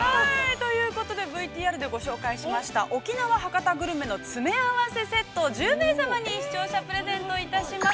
◆ということで、ＶＴＲで紹介いたしました、沖縄＆博多グルメの詰め合わせを１０名様に視聴者プレゼントします